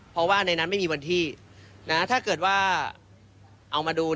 เพราะว่าในนั้นไม่มีวันที่นะถ้าเกิดว่าเอามาดู